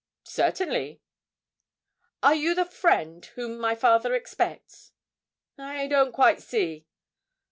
'Certainly' 'Are you the friend whom my father expects?' 'I don't quite see.'